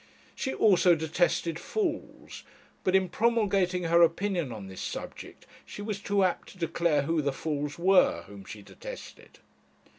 She also detested fools; but in promulgating her opinion on this subject, she was too apt to declare who the fools were whom she detested.